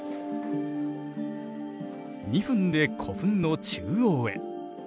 ２分で古墳の中央へ。